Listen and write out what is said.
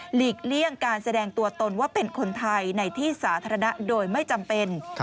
ลีกเลี่ยงการแสดงตัวตนว่าเป็นคนไทยในที่สาธารณะโดยไม่จำเป็น